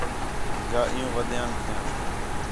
جا عِیُّوں ودیان تھیاں